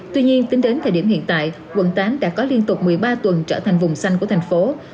tuy nhiên tính đến thời điểm hiện tại quận tám đã có liên tục một mươi ba tuần trở thành vùng xanh của thành phố